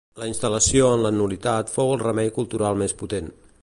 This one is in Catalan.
La instal·lació en la nul·litat fou el remei cultural més potent.